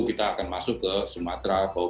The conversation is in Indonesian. kita akan masuk ke sumatera